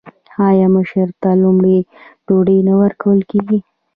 آیا مشر ته لومړی ډوډۍ نه ورکول کیږي؟